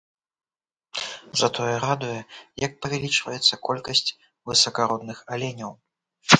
Затое радуе, як павялічваецца колькасць высакародных аленяў.